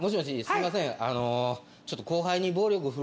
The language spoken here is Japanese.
すいません。